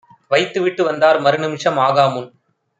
வைத்துவிட்டு வந்தார் மறுநிமிஷம் ஆகாமுன்.